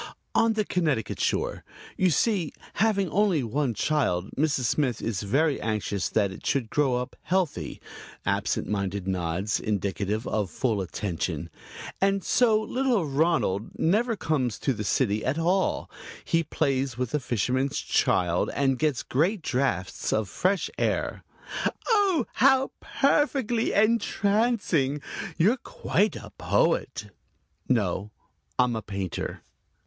"On the Connecticut shore. You see, having only the one child, Mrs. Smith is very anxious that it should grow up healthy" (absent minded nods indicative of full attention), "and so little Ronald never comes to the city at all. He plays with the fisherman's child and gets great drafts of fresh air." "Oh, how perfectly entrancing! You're quite a poet." "No; I'm a painter."